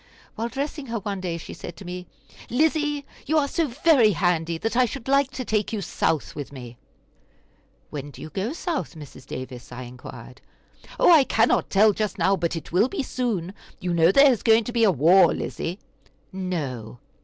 While dressing her one day, she said to me: "Lizzie, you are so very handy that I should like to take you South with me." "When do you go South, Mrs. Davis?" I inquired. "Oh, I cannot tell just now, but it will be soon. You know there is going to be war, Lizzie?" "No!"